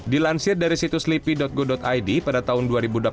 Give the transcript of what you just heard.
dilansir dari situs lipi go id pada tahun dua ribu delapan belas